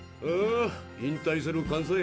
ああ引退するかん